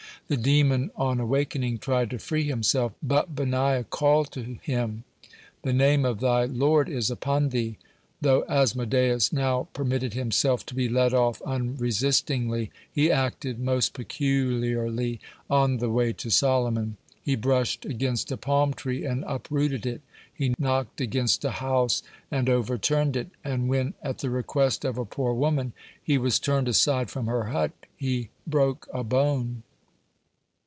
The demon, on awakening, tried to free himself, but Benaiah called to him: "The Name of thy Lord is upon thee." Though Asmodeus now permitted himself to be led off unresistingly, he acted most peculiarly on the way to Solomon. He brushed against a palm tree and uprooted it; he knocked against a house and overturned it; and when, at the request of a poor woman, he was turned aside from her hut, he broke a bone.